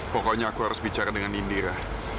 pokoknya aku harus bicara dengan indira